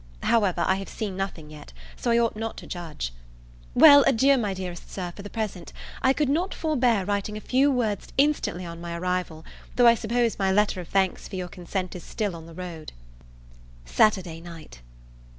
However, I have seen nothing yet, so I ought not to judge. Well; adieu, my dearest Sir, for the present; I could not forbear writing a few words instantly on my arrival, though I suppose my letter of thanks for your consent is still on the road. Saturday Night.